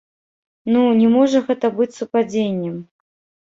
Ну, не можа гэта быць супадзеннем!